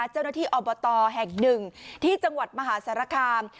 เจ้าหน้าที่อบตแห่งหนึ่งที่จังหวัดมหาสารคาม